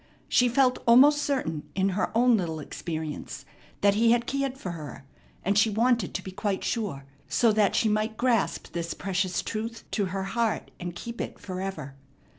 She felt almost certain in her own little experience that He had cared for her, and she wanted to be quite sure, so that she might grasp this precious truth to her heart and keep it forever.